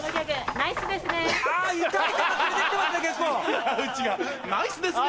ナイスですね。